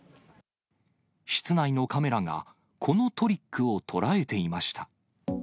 室内のカメラが、このトリックを捉えていました。